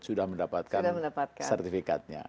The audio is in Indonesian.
sudah mendapatkan sertifikatnya